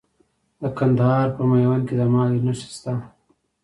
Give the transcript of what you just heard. د کندهار په میوند کې د مالګې نښې شته.